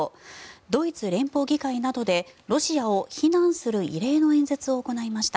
ドイツ連邦議会などでロシアを非難する異例の演説を行いました。